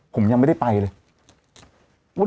ผมยังไม่ได้ไปเลย